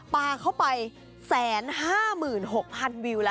ปลาเข้าไป๑๕๖๐๐วิวแล้ว